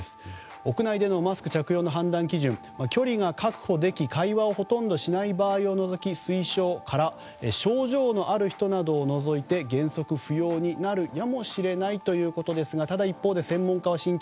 屋内でのマスク着用の判断基準、距離が確保でき会話をほとんどしない場合を除き推奨から症状のある人などを除いて原則不要になるやもしれないということですがただ一方で、専門家は慎重。